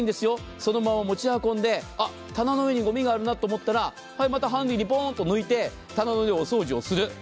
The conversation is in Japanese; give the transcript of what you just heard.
そのまま持ち運んで、棚の上にごみがあるなと思ったら、はい、またハンディにポンと抜いて棚の上のお掃除をする。